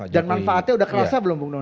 dan manfaatnya udah kelasa belum bung doni